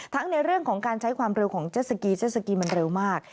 ในเรื่องของการใช้ความเร็วของเจ็ดสกีเจ็ดสกีมันเร็วมาก